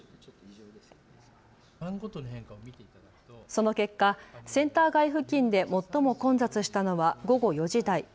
その結果、センター街付近で最も混雑したのは午後４時台。